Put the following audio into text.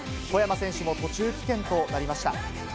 小山選手も途中棄権となりました。